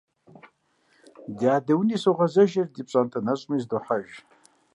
Ди адэ уни согъэзэжыр, ди пщӀантӀэ нэщӀми сыдохьэж.